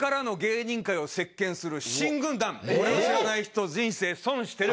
「これを知らない人人生損してる！」。